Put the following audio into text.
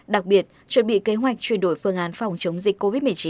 đặc biệt chuẩn bị kế hoạch chuyển đổi phương án phòng chống dịch covid một mươi chín